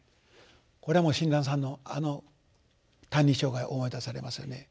これはもう親鸞さんのあの「歎異抄」が思い出されますよね。